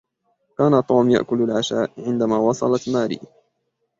كان توم يأكل العشاء عندما وصلت ماري.